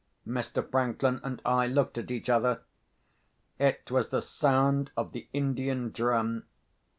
Mr. Franklin and I looked at each other; it was the sound of the Indian drum.